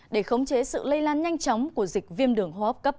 để khống chế sự lây lan nhanh chóng của dịch viêm đường hô hấp cấp